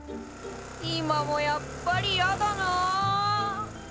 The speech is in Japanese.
今もやっぱりやだな。